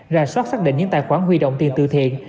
ra soát xác định những tài khoản huy động tiền từ thiện